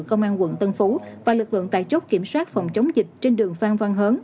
công an quận tân phú và lực lượng tại chốt kiểm soát phòng chống dịch trên đường phan văn hớn